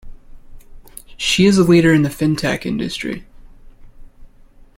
She is a leader in the Fintech industry.